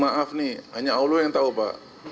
oh itu maaf nih hanya allah yang tahu pak